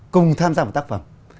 cùng tham gia một tác phẩm